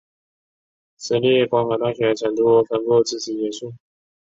私立光华大学成都分部自此结束。